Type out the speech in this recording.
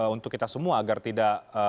untuk kita semua agar tidak